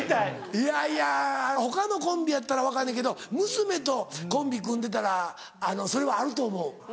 いやいや他のコンビやったら分かんねんけど娘とコンビ組んでたらそれはあると思う。